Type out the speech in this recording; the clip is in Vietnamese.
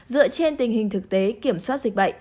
dựa trên tình hình thực tế kiểm soát dịch bệnh